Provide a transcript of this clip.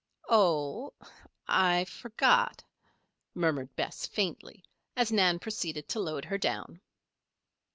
"Oh! I forgot," murmured Bess, faintly, as Nan proceeded to load her down.